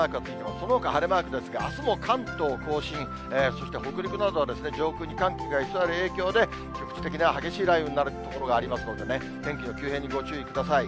そのほか晴れマークですが、あすも関東甲信、そして北陸などは、上空に寒気が居座る影響で、局地的な激しい雷雨になる所がありますのでね、天気の急変にご注意ください。